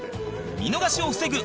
見逃しを防ぐ